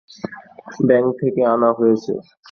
Bangkok থেকে আনা হয়েছে।